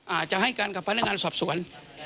อาจจะให้การกับพนักงานสอบสวน